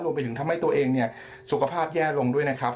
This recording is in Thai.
รวมไปถึงทำให้ตัวเองเนี่ยสุขภาพแย่ลงด้วยนะครับ